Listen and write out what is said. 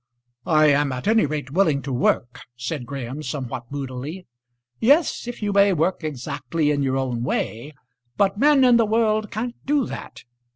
"I am at any rate willing to work," said Graham somewhat moodily. "Yes, if you may work exactly in your own way. But men in the world can't do that.